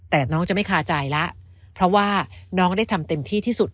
แต่น้องจะไม่คาใจแล้วเพราะว่าน้องได้ทำเต็มที่ที่สุด